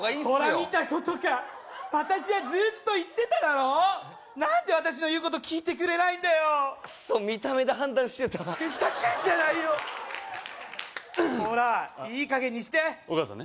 見たことか私はずーっと言ってただろ何で私の言うこと聞いてくれないんだよクソ見た目で判断してたふざけんじゃないよほらいい加減にしてお母さんね